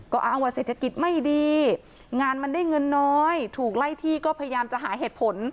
ก็อ้างว่าเศรษฐกิจไม่ดีงานมันได้เงินน้อยถูกไล่ที่ก็พยายามจะหาเหตุผล